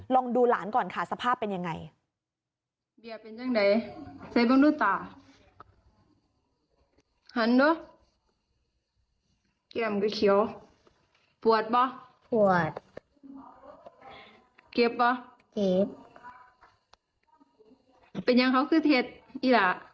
ลองดูหลานก่อนค่ะสภาพเป็นยังไง